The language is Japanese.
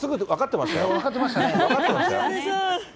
分かってましたね。